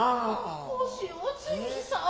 モシおつぎさん